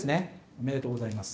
おめでとうございます。